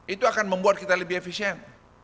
itu akan membuat kita lebih efisien